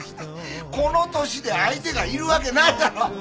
この年で相手がいるわけないだろう！